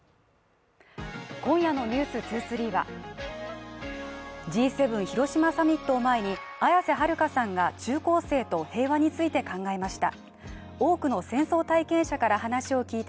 今夜の「ｎｅｗｓ２３」はＧ７広島サミットを前に綾瀬はるかさんが中高生と平和について考えました。